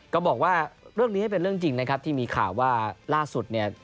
ก็บอกว่าเรื่องนี้เป็นเรื่องจริงนะครับที่มีข่าวว่าล่าสุดเนี่ย